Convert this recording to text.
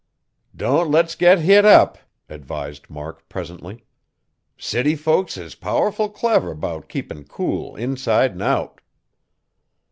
"Don't let's get het up," advised Mark presently; "city folks is powerful clever 'bout keepin' cool inside an' out."